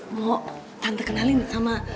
mau tante kenalin sama